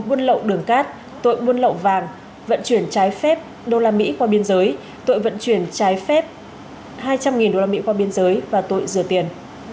buôn lậu đường cát tội buôn lậu vàng vận chuyển trái phép usd qua biên giới tội vận chuyển trái phép usd hai trăm linh qua biên giới và tội rửa tiền